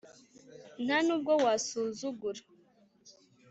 nta nubwo wasuzugura